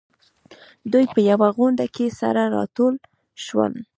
دوی په يوه غونډه کې سره راټول شول.